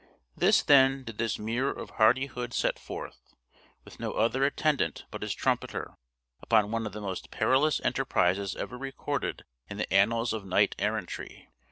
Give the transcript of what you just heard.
Thus then did this mirror of hardihood set forth, with no other attendant but his trumpeter, upon one of the most perilous enterprises ever recorded in the annals of knight errantry.